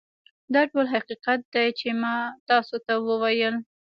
دا ټول حقیقت دی چې ما تاسو ته وویل